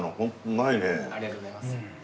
ありがとうございます。